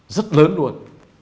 rất lớn luôn